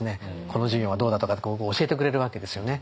この授業はどうだとか教えてくれるわけですよね。